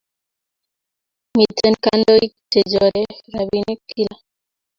Miten kandoik che chore rapinik kila